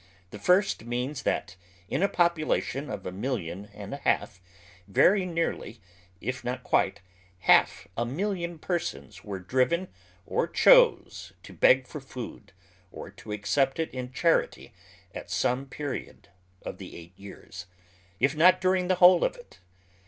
The first means that in a population of a million and a half, very nearly, if not quite, half a million persons were driven, or chose, to beg for food, or to ac cept it in charity at some period of the eight years, if not during the whole of it.